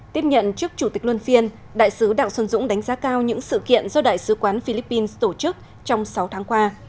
tiếp nhận trước chủ tịch luân phiên đại sứ đặng xuân dũng đánh giá cao những sự kiện do đại sứ quán philippines tổ chức trong sáu tháng qua